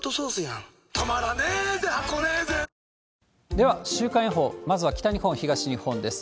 では、週間予報、まずは北日本、東日本です。